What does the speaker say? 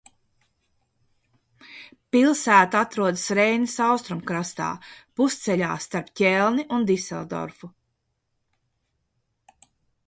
Pilsēta atrodas Reinas austrumkrastā, pusceļā starp Ķelni un Diseldorfu.